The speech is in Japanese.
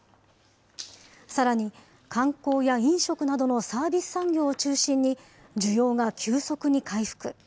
さらに、観光や飲食などのサービス産業を中心に、需要が急速に回復。